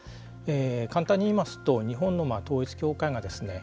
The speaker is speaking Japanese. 簡単にいいますと日本の統一教会がですね